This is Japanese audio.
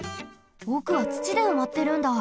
おくはつちでうまってるんだ。